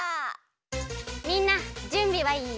みんなじゅんびはいい？